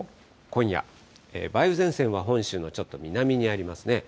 今夜、梅雨前線は本州のちょっと南にありますね。